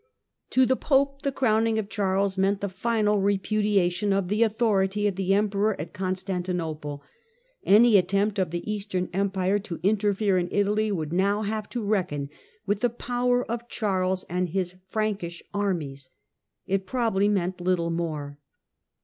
To the Pope the crowning of Charles meant the final repudiation of the authority of the Emperor at Constantinople. Any attempt of the Eastern Empire to interfere in Italy would now have to reckon with the power of Charles and his Frankish armies. It probably meant little more.